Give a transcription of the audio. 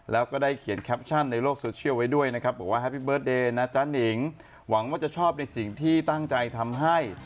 หวังว่าจะหวังว่าจะชอบในสิ่งที่ตั้งใจทำให้